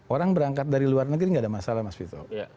orang berangkat dari luar negeri tidak ada masalah mas vito